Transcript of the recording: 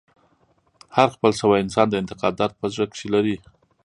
هر خپل سوی انسان د انتقام درد په زړه کښي لري.